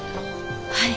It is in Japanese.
はい。